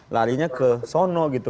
larinya ke sono gitu